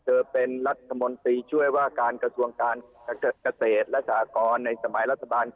เธอเป็นรัฐมนตรีช่วยว่าการกระทรวงการเกษตรและสากรในสมัยรัฐบาล